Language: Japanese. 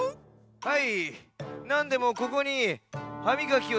はい！